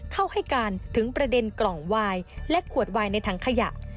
เข้าให้การถึงประเด็นกล่องไวน์และขวดไวน์ในถังขยะ